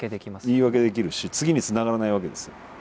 言い訳できるし次につながらないわけですよ。